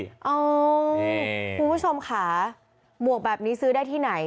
อ๋อคุณผู้ชมขาร่วงแบบนี้ซื้อได้ที่ไหน